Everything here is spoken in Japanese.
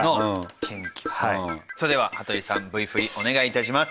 それでは羽鳥さんＶ振りお願い致します。